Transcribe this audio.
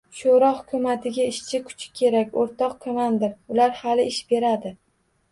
Sho‘ro hukumatiga ishchi kuchi kerak, o‘rtoq komandir, ular hali ish beradi.